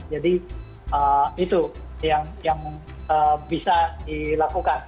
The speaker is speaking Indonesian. jadi itu yang bisa dilakukan